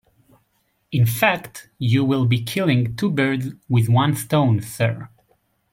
In fact, you will be killing two birds with one stone, sir.